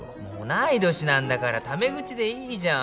同い年なんだからタメ口でいいじゃん。